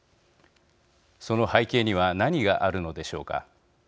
その背景には何があるのでしょうか。